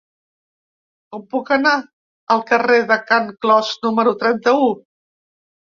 Com puc anar al carrer de Can Clos número trenta-u?